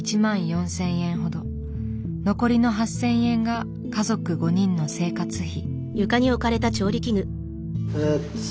残りの８，０００円が家族５人の生活費。